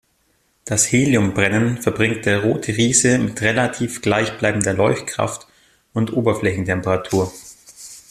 Das Heliumbrennen verbringt der Rote Riese mit relativ gleichbleibender Leuchtkraft und Oberflächentemperatur.